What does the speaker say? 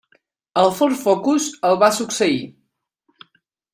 El Ford Focus el va succeir.